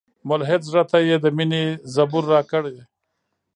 ملحد زړه ته یې د میني زبور راکړی